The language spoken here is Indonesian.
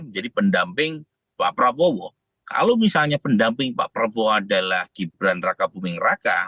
menjadi pendamping pak prabowo kalau misalnya pendamping pak prabowo adalah gibran raka buming raka